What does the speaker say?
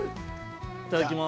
◆いただきます。